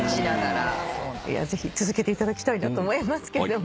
続けていただきたいなと思いますけど。